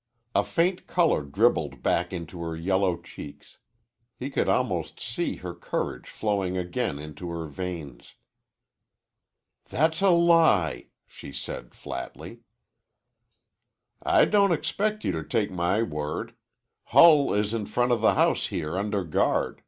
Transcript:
A faint color dribbled back into her yellow cheeks. He could almost see courage flowing again into her veins. "That's a lie," she said flatly. "I don't expect you to take my word. Hull is in front of the house here under guard.